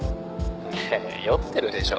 ねぇ酔ってるでしょ？